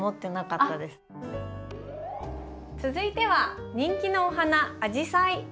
続いては人気のお花アジサイ。